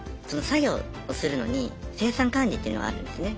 作業をするのに生産管理っていうのがあるんですね